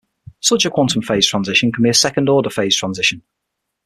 Such a quantum phase transition can be a second-order phase transition.